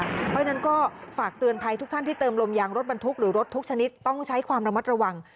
เพราะฉะนั้นก็ฝากเตือนภัยทุกท่านที่เติมลมยางรถบรรทุกหรือรถทุกชนิดต้องใช้ความระมัดระวัง